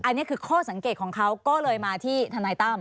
อันนี้คือข้อสังเกตของเขาก็เลยมาที่ทนายตั้ม